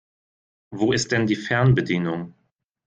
Wo ist denn die Fernbedienung?